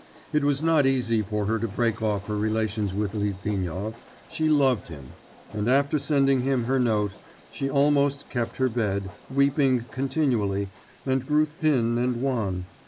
It was not easy for her to break off her relations with Litvinov; she loved him; and after sending him her note, she almost kept her bed, weeping continually, and grew thin and wan.